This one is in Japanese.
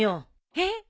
えっ！